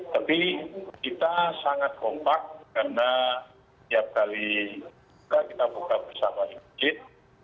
tapi kita sangat kompak karena tiap kali buka kita buka bersama di masjid